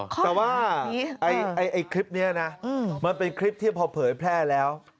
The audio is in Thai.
แต่ว่าคลิปนี้นะมันเป็นคลิปที่พอเผยแพร่แล้ว